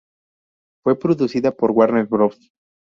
Fue producida por Warner Bros.